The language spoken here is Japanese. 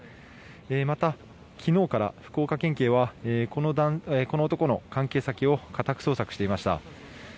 また、昨日から福岡県警はこの男の関係先を家宅捜索していました。